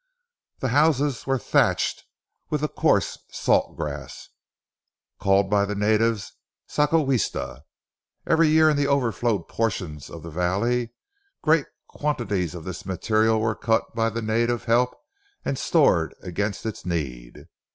The houses were thatched with a coarse salt grass, called by the natives zacahuiste. Every year in the overflowed portions of the valley, great quantities of this material were cut by the native help and stored against its need.